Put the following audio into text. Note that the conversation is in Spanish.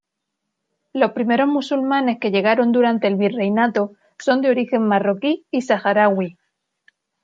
Los primeros musulmanes que llegaron durante el Virreinato, son de origen marroquí y saharaui.